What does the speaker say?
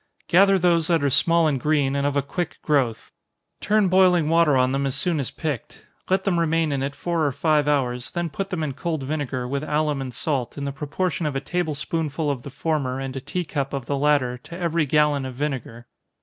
_ Gather those that are small and green, and of a quick growth. Turn boiling water on them as soon as picked. Let them remain in it four or five hours, then put them in cold vinegar, with alum and salt, in the proportion of a table spoonful of the former and a tea cup of the latter, to every gallon of vinegar.